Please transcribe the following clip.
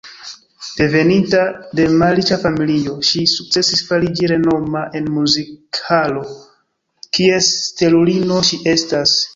Deveninta de malriĉa familio, ŝi sukcesis fariĝi renoma en muzik-halo, kies stelulino ŝi estas.